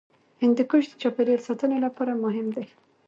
هندوکش د چاپیریال ساتنې لپاره مهم دی.